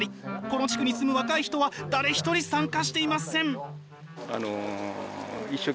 この地区に住む若い人は誰一人参加していません。